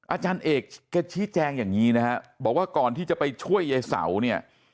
อาจารย์เอกแกชี้แจงอย่างนี้นะฮะบอกว่าก่อนที่จะไปช่วยยายเสาเนี่ย